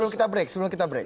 sebelum kita break